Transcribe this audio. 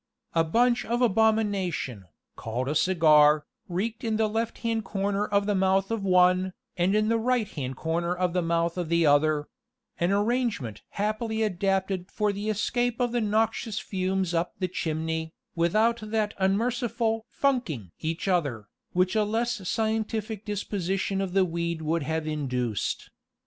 A bunch of abomination, called a cigar, reeked in the left hand corner of the mouth of one, and in the right hand corner of the mouth of the other an arrangement happily adapted for the escape of the noxious fumes up the chimney, without that unmerciful "funking" each other, which a less scientific disposition of the weed would have induced.